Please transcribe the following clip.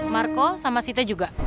marco sama sita juga